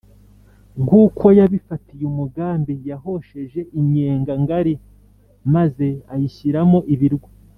Nk’uko yabifatiye umugambi, yahosheje inyenga ngari, maze ayishyiramo ibirwa.